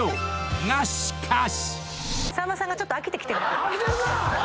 ［がしかし］